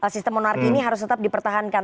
sistem monarki ini harus tetap dipertahankan